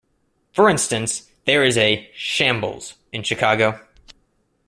For instance there is a 'Shambles' in Chicago.